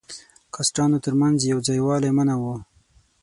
کاسټانو تر منځ یو ځای والی منع وو.